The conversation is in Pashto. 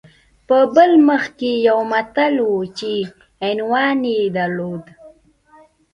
په بل مخ کې یو متن و چې عنوان یې درلود